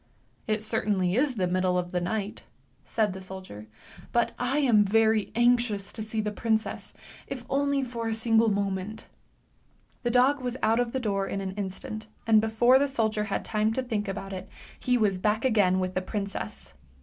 " It certainly is the middle of the night," said the soldier, " but I am very anxious to see the princess, if only for a single moment." The dog was out of the door in an instant, and before the soldier had time to think about it, he was back again with the princess.